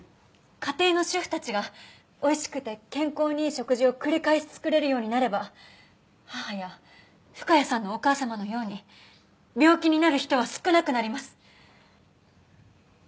「家庭の主婦たちがおいしくて健康にいい食事を繰り返し作れるようになれば母や深谷さんのお母様のように病気になる人は少なくなります」